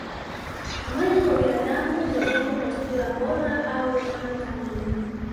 Mwili wa binadamu hujengwa kwa chakula bora au mlo kamili